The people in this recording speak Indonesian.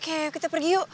oke kita pergi yuk